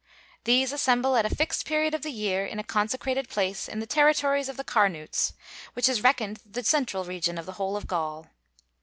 These assemble at a fixed period of the year in a consecrated place in the territories of the Carnutes, which is reckoned the central region of the whole of Gaul.